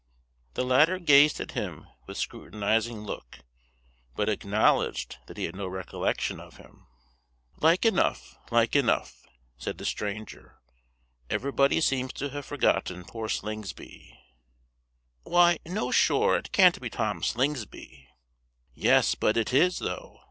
The latter gazed at him with scrutinizing look, but acknowledged that he had no recollection of him. [Illustration: "Why, no sure! it can't be Tom Slingsby?" PAGE 189.] "Like enough, like enough," said the stranger; "everybody seems to have forgotten poor Slingsby?" "Why, no sure! it can't be Tom Slingsby?" "Yes, but it is, though!"